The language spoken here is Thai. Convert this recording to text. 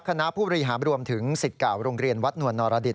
คณะผู้บริหารรวมถึงสิทธิ์เก่าโรงเรียนวัดนวลนรดิษ